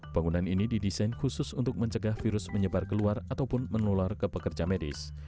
bangunan ini didesain khusus untuk mencegah virus menyebar keluar ataupun menular ke pekerja medis